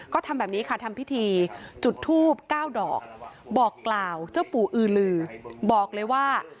ก็ทำแบบนี้ค่ะทำพิธีจุดทูบ๙ดอกบอกกล่าวเจ้าปู่อือลือบอกเลยว่า